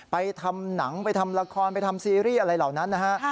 ไปทำหนังไปทำละครไปทำซีรีส์อะไรเหล่านั้นนะฮะ